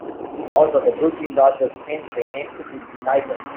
Also, the Brooklyn Dodgers changed their name to Brooklyn Tigers.